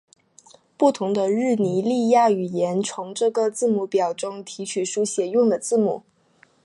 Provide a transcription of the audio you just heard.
不同的尼日利亚语言从这个字母表中提取书写用的字母。